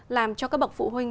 làm cho các bậc phụ huynh